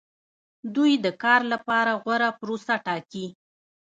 دوی د کار لپاره غوره پروسه ټاکي.